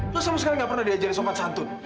lo sama sekali gak pernah diajari sopan santun